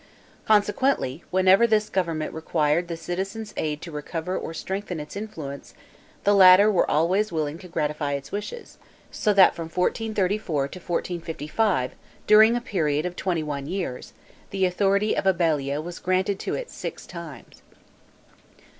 Consequently, whenever this government required the citizens' aid to recover or strengthen its influence, the latter were always willing to gratify its wishes; so that from 1434 to 1455, during a period of twenty one years, the authority of a balia was granted to it six times.